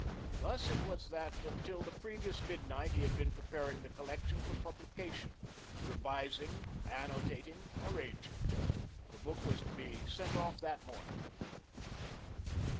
Thus it was that, until the previous midnight, he had been preparing the collection for publication, revising, annotating, arranging. The book was to be sent off that morning.